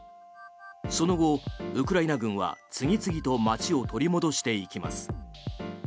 その後、ウクライナ軍は次々と街を取り戻していきます。